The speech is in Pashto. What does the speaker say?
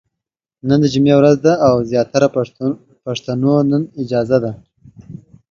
نن د جمعې ورځ ده او زياتره پښتنو نن اجازه ده ،